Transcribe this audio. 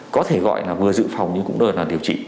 có thể gọi là vừa dự phòng nhưng cũng vừa là điều trị